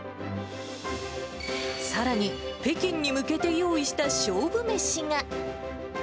さらに、北京に向けて用意した勝負飯が。